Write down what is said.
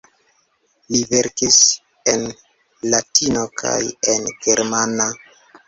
Li verkis en latino kaj en germana.